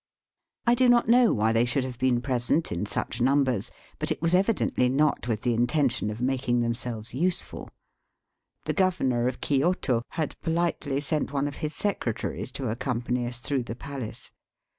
I do not know why they should have been present in such numbers, but it was evidently not with the intention of making themselves useful. The Governor of Kioto had politely sent one of his secretaries to accompany us through the palace.